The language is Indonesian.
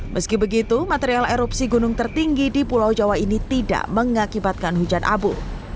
meski begitu material erupsi gunung tertinggi di pulau jawa ini tidak mengakibatkan hujan abu